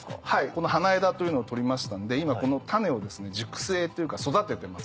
この花枝というのを採りましたんで今この種を熟成というか育ててます。